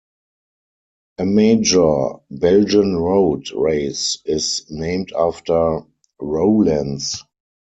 A major Belgian road race is named after Roelants.